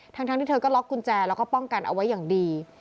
ทั้งที่เธอก็ล็อกกุญแจแล้วก็ป้องกันเอาไว้อย่างดี